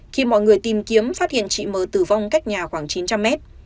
khi mọi người tìm kiếm phát hiện chị m tử vong cách nhà khoảng chín trăm linh mét